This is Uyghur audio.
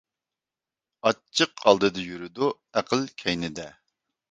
ئاچچىق ئالدىدا يۈرىدۇ، ئەقىل كەينىدە.